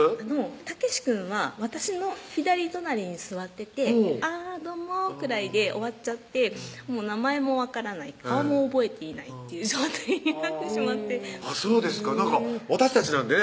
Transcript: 健くんは私の左隣に座ってて「あぁどうも」くらいで終わっちゃって名前も分からない顔も覚えていないっていう状態になってしまってあっそうですか私たちなんてね